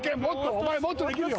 お前もっとできるよ。